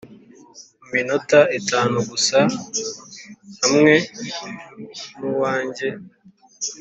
mu minota itanu gusa hamwe nuwanjye.